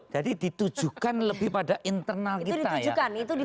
jadi ditujukan lebih pada internal kita ya